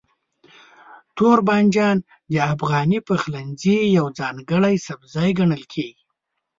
توربانجان د افغاني پخلنځي یو ځانګړی سبزی ګڼل کېږي.